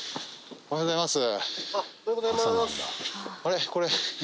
おはようございます。